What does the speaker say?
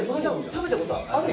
食べたことあるよね？